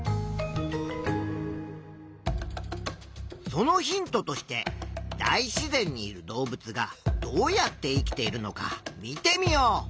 そのヒントとして大自然にいる動物がどうやって生きているのか見てみよう。